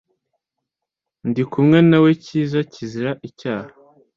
ndikumwe na we cyiza kizira icyasha"